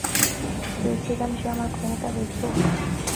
চেয়েছিলাম সে আমার ক্ষমতা দেখুক!